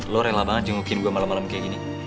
lo rela banget jengukin gue malem malem kayak gini